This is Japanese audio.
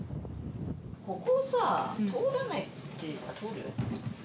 ここをさ通らないって通るよ